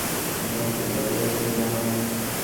সেখানে দেখিলাম, তরুতলে বসিয়া এক পরম সুশ্রী বর্ষীয়সী রমণী।